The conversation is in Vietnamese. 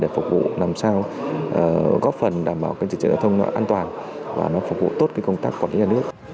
để phục vụ làm sao góp phần đảm bảo cái trật tựa giao thông nó an toàn và nó phục vụ tốt cái công tác quản lý nhà nước